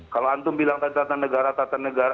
kalau antum bilang tata negara tata negara